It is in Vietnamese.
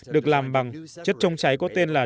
được làm bằng chất trông cháy có tên là